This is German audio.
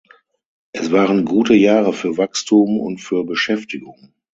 Es waren gute Jahre für Wachstum und für Beschäftigung.